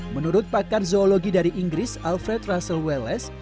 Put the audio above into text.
menurut pakar zoologi dari inggris alfred russel welles